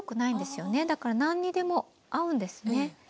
だから何にでも合うんですね。